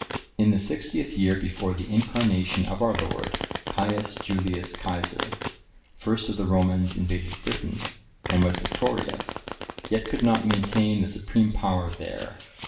(1031) In the sixtieth year before the Incarnation of our Lord, Caius Julius Cæsar, first of the Romans invaded Britain, and was victorious, yet could not maintain the supreme power there.